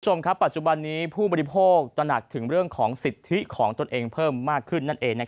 คุณผู้ชมครับปัจจุบันนี้ผู้บริโภคตระหนักถึงเรื่องของสิทธิของตนเองเพิ่มมากขึ้นนั่นเอง